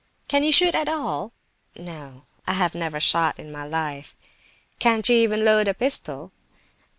"Can you shoot at all?" "No, I have never shot in my life." "Can't you even load a pistol?"